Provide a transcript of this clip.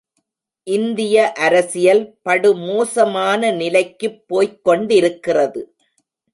இந்திய அரசியல் படுமோசமான நிலைக்குப்போய்க் கொண்டிருக்கிறது.